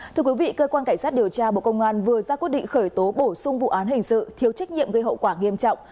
thưa quý vị cơ quan cảnh sát điều tra bộ công an vừa ra quyết định khởi tố bổ sung vụ án hình sự thiếu trách nhiệm gây hậu quả nghiêm trọng